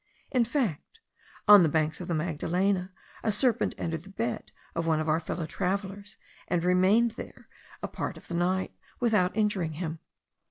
In fact, on the banks of the Magdalena a serpent entered the bed of one of our fellow travellers, and remained there a part of the night, without injuring him.